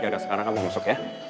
ada sekarang kamu masuk ya